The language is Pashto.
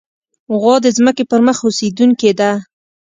غوا د ځمکې پر مخ اوسېدونکې ده.